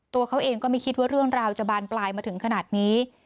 ตัวเขาเองก็ไม่คิดว่าเรื่องราวจะบานปลายมาถึงขนาดนี้